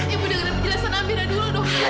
ibu dengerin perjelasan amira dulu dong